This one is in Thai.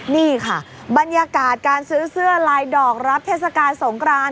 นี่ค่ะบรรยากาศการซื้อเสื้อลายดอกรับเทศกาลสงคราน